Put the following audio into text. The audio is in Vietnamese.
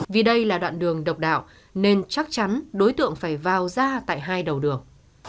vì đây là đoạn đường độc đạo nên chắc chắn đối tượng phải vào ra tại hai đầu đường